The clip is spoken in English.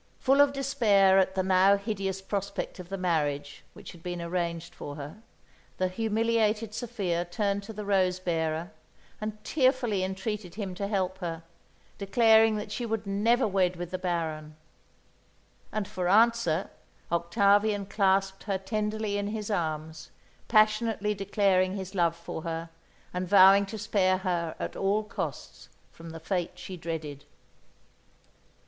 Full of despair at the now hideous prospect of the marriage which had been arranged for her, the humiliated Sophia turned to the rose bearer and tearfully entreated him to help her, declaring that she would never wed with the Baron; and for answer, Octavian clasped her tenderly in his arms, passionately declaring his love for her and vowing to spare her at all costs from the fate she dreaded.